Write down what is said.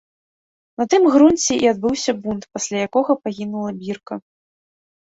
На тым грунце і адбыўся бунт, пасля якога пагінула бірка.